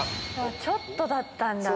ちょっとだったんだ。